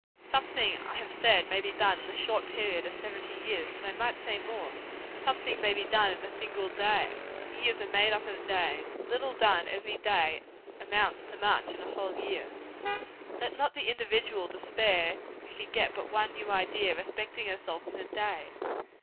Something, I have said, may be done in the short period of seventy years. But I might say more. Something may be done in a single day. And years are made up of days. A little done, every day, amounts to much in a whole year. Let not the individual despair who can get but one new idea respecting herself, in a day.